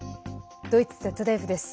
ドイツＺＤＦです。